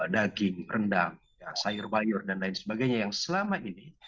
daging rendang sayur bayur dan lain sebagainya yang selama ini